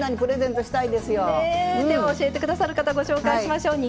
では教えて下さる方ご紹介しましょう。